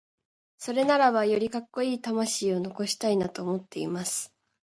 それならば、よりカッコイイ魂を残したいなと思っています。